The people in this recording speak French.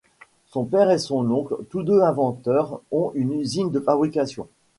Son père et son oncle tous deux inventeurs ont une usine de fabrication.